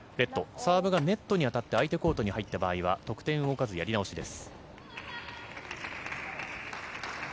サーブがネットに当たって相手コートに入った場合は得点動かず、やり直しです。